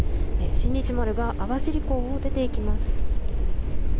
「新日丸」が網走港を出ていきます。